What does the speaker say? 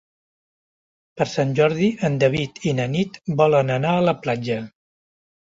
Per Sant Jordi en David i na Nit volen anar a la platja.